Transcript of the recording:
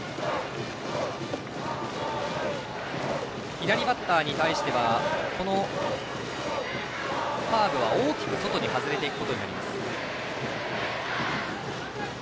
左バッターに対してはこのカーブは大きく外に外れていくことになります。